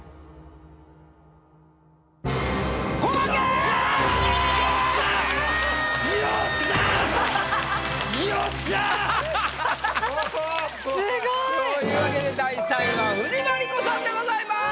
すごい。というわけで第３位は藤真利子さんでございます。